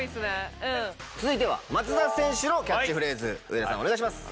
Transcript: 続いては松田選手のキャッチフレーズ上田さんお願いします。